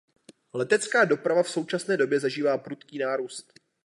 Letecká doprava v současné době zažívá prudký nárůst.